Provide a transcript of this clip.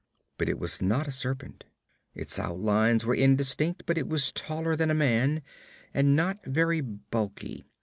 But it was not a serpent. Its outlines were indistinct, but it was taller than a man, and not very bulky.